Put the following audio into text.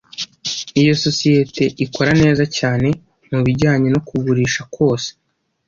Iyo sosiyete ikora neza cyane mubijyanye no kugurisha kwose